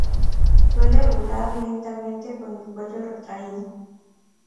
Suele volar lentamente con el cuello retraído.